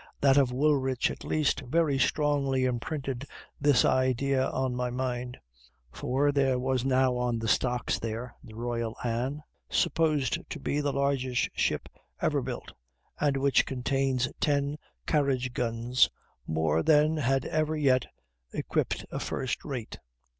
That of Woolwich, at least, very strongly imprinted this idea on my mind; for there was now on the stocks there the Royal Anne, supposed to be the largest ship ever built, and which contains ten carriage guns more than had ever yet equipped a first rate.